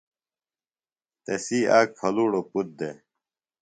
تسی آک پھلُوڑوۡ پُتر دےۡ۔